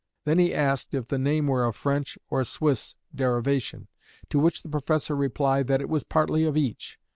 Then he asked if the name were of French or Swiss derivation, to which the Professor replied that it was partly of each.